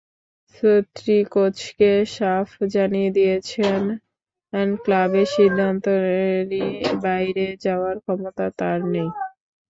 ছেত্রী কোচকে সাফ জানিয়ে দিয়েছেন, ক্লাবের সিদ্ধান্তের বাইরে যাওয়ার ক্ষমতা তাঁর নেই।